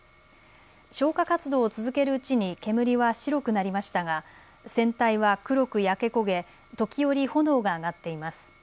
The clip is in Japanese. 消火活動を続けるうちに煙は白くなりましたが船体は黒く焼け焦げ時折、炎が上がっています。